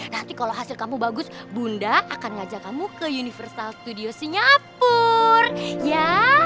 nanti kalau hasil kamu bagus bunda akan ngajak kamu ke universal studio singapura ya